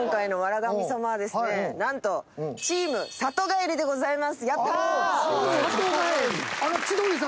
神様は、なんと、チーム里帰りでございます。